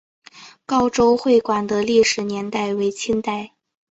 高州会馆的历史年代为清代。